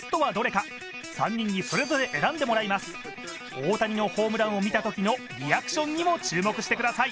大谷のホームランを見たときのリアクションにも注目してください。